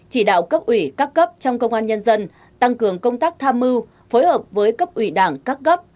chỉ đạo cấp ủy các cấp trong công an nhân dân tăng cường công tác tham mưu phối hợp với cấp ủy đảng các cấp